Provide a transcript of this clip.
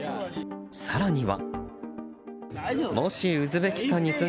更には。